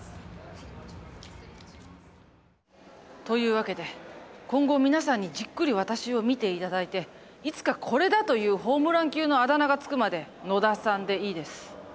というわけで今後皆さんにじっくり私を見て頂いていつか「これだ！」というホームラン級のあだ名が付くまで「野田さん」でいいです。